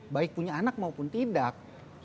baik punya anak maupun tidak